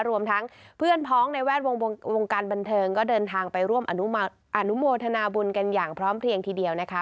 รวมทั้งเพื่อนพ้องในแวดวงการบันเทิงก็เดินทางไปร่วมอนุโมทนาบุญกันอย่างพร้อมเพลียงทีเดียวนะคะ